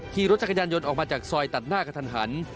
ขี่รถจักรยานยนต์ออกมาจากซอยตัดหน้ากระทันหัน